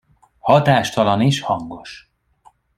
Hatástalan és hangos.